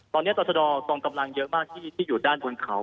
ตอนนี้ต่อชะดอกองกำลังเยอะมากที่อยู่ด้านบนเขา